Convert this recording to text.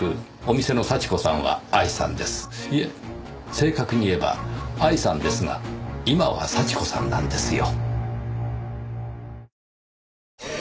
正確に言えば愛さんですが今は幸子さんなんですよ。